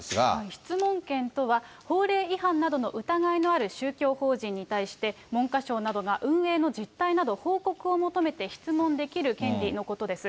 質問権とは、法令違反などの疑いのある宗教法人に対して、文科省などが運営の実態など、報告を求めて質問できる権利のことです。